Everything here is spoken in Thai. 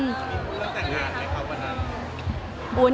เรื่องแต่งงานให้เขากำลัง